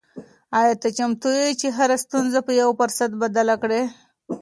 آیا ته چمتو یې چې هره ستونزه په یو فرصت بدله کړې؟